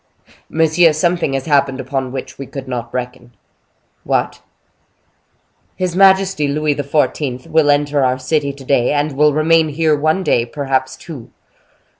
"Monsieur, something has happened upon which we could not reckon." "What?" "His majesty Louis XIV. will enter our city to day, and will remain here one day, perhaps two."